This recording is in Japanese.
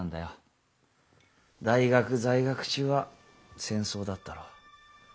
大学在学中は戦争だったろ？